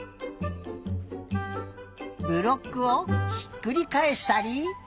ブロックをひっくりかえしたり。